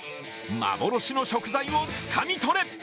幻の食材をつかみ取れ。